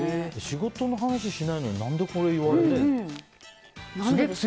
仕事の話しないのに何でこれ言われるの？